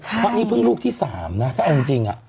เพราะนี้เรื่องนี้ลูกที่๓ครับ